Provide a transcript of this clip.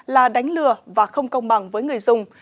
là đánh lừa và không công bằng với người dùng